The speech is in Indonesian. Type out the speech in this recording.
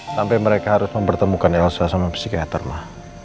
sampai mereka harus mempertemukan elsa sama psikiater lah